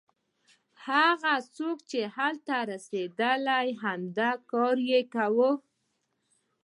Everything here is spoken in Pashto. هغه څوک چې هلته رسېدل همدا کار یې کاوه.